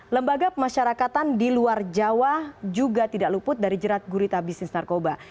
lembaga pemasyarakatan di luar jawa juga tidak luput dari jerat gurita bisnis narkoba